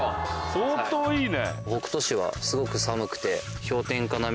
相当いいね。